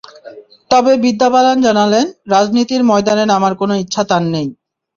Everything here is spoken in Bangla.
তবে বিদ্যা বালান জানালেন, রাজনীতির ময়দানে নামার কোনো ইচ্ছা তাঁর নেই।